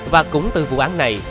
và cũng từ vụ án này